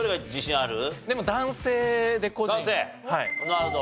なるほど。